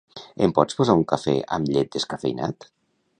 Em pots posar un cafè amb llet descafeïnat?